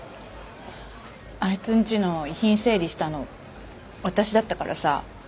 あいつんちの遺品整理したの私だったからさ。